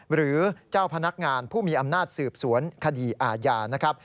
หรือเจ้าพนักงานผู้มีอำนาจสืบสวนคดีอาญานะครับ